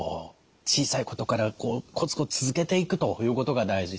小さいことからコツコツ続けていくということが大事。